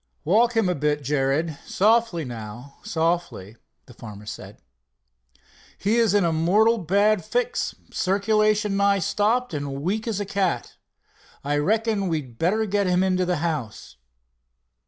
"Walk him a bit, Jared, softly now, softly," the farmer said. "He's in a mortal bad fix, circulation nigh stopped and weak as a cat. I reckon we'd better get him into the house."